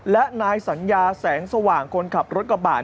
และนายสัญญาแสงสว่างคนขับรถกระบาด